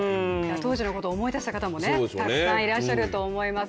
当時のことを思い出した方もたくさんいらっしゃると思います。